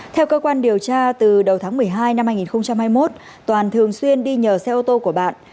theo cơ quan điều tra từ đầu tháng một mươi hai năm hai nghìn hai mươi một toàn thường xuyên đi nhờ xe ô tô của bạn